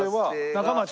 仲町？